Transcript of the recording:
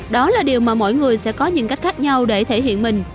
đó là điều mà mọi người sẽ có những cách khác nhau để thể hiện mình